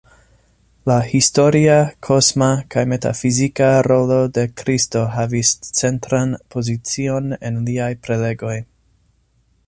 La historia, kosma kaj metafizika rolo de Kristo havis centran pozicion en liaj prelegoj.